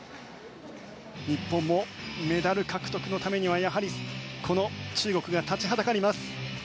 日本もメダル獲得のためにはこの中国が立ちはだかります。